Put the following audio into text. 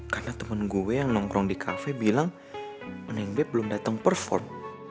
karena temen gue yang nongkrong di cafe bilang mami belum dateng perform